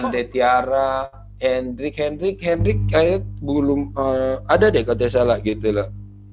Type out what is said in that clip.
andre tiara hendrik hendrik hendrik kayaknya belum ada deh kalau tidak salah gitu loh